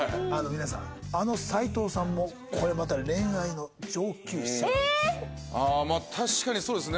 皆さんあの斉藤さんもこれまた恋愛の上級者なんです。